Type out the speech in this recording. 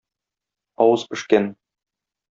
Авыз пешкән.